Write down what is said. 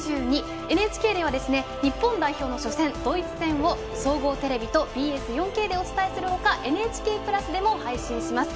ＮＨＫでは日本代表の初戦ドイツ戦を総合テレビとＢＳ４Ｋでお伝えするほか「ＮＨＫプラス」でも配信します。